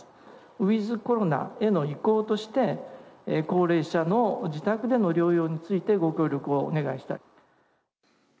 ウィズコロナへの移行として高齢者の自宅での療養についてご協力をお願いしたい。